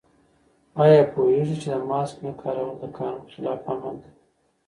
آیا پوهېږئ چې د ماسک نه کارول د قانون خلاف عمل دی؟